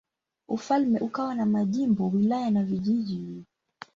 Ufalme ukawa na majimbo, wilaya na vijiji.